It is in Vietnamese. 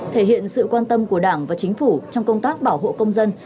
thể hiện sự quan tâm của đảng và chính phủ trong công tác bảo hộ công dân